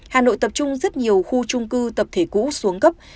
hà nội tập trung rất nhiều khu trung cư tập thế cũ xuống gấp